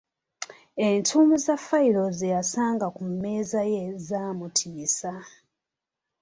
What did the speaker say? Entuumu za fayiro ze yasanga ku mmeeza ye zaamutiisa.!